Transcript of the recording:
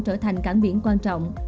trở thành cảng biển quan trọng